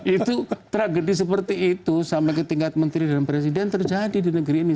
itu tragedi seperti itu sampai ke tingkat menteri dan presiden terjadi di negeri ini